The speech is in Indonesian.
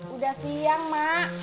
udah siang ma